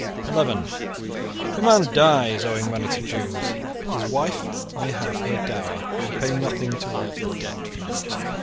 (11) If a man dies owing money to Jews, his wife may have her dower and pay nothing towards the debt from it.